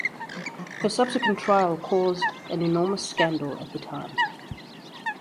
Her subsequent trial caused an enormous scandal at the time.